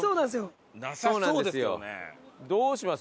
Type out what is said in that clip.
どうします？